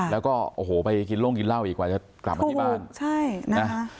แล้วก็ไปกินโล่งกินเหล้าอีกกว่าจะกลับมาที่บ้าน